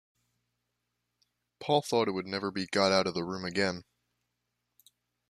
Paul thought it would never be got out of the room again.